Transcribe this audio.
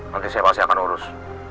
nanti saya pasti akan urus